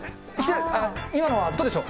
今のはどうでしょう？